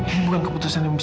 ini bukan keputusan yang besar